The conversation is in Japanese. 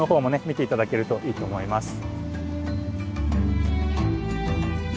見て頂けるといいと思います。